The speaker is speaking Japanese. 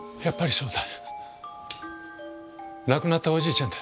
そうだ。